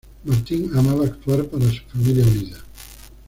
Martin amaba actuar para su familia unida.